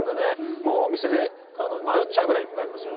もうお店で買うのを迷っちゃうぐらいいっぱいありますよ。